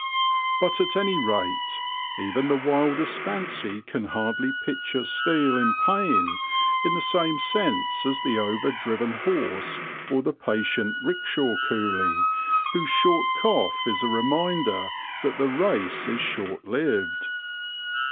But at any rate, even the wildest fancy can hardly picture steel in pain in the same sense as the overdriven horse or the patient ricksha coolie whose short cough is a reminder that the race is short lived.